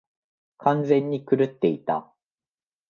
完全に狂っていた。